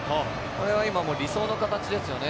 これは今、理想の形ですよね。